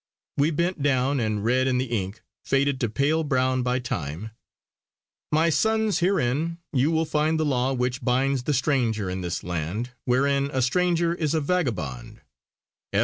We bent down and read in the ink, faded to pale brown by time: "My sonnes herein you will find the law which binds the stranger in this land, wherein a stranger is a Vagabond.